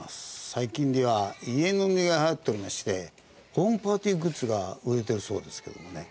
最近では家飲みが流行っておりましてホームパーティーグッズが売れてるそうですけどもね。